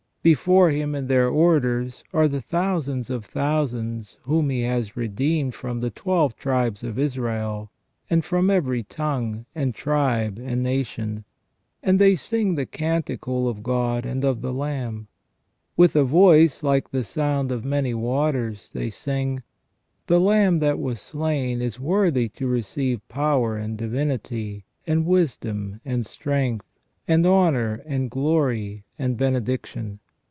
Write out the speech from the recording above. Before Him in their orders are the thousands of thou sands whom He has redeemed from the twelve tribes of Israel, and from every tongue, and tribe, and nation ; and they sing the canticle of God and of the Lamb. With a voice like the sound of many waters they sing :*' The Lamb that was slain is worthy to receive power, and divinity, and wisdom, and strength, and honour and glory, and benediction".